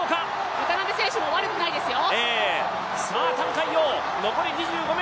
渡辺選手も悪くないですよ。